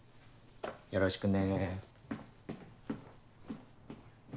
よろしくね。